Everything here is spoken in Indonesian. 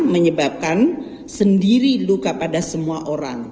menyebabkan sendiri luka pada semua orang